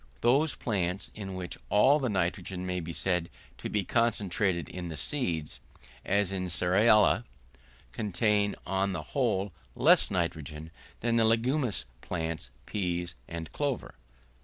Those plants, in which all the nitrogen may be said to be concentrated in the seeds, as the cerealia, contain on the whole less nitrogen than the leguminous plants, peas, and clover.